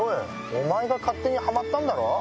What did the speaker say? お前が勝手にハマったんだろ？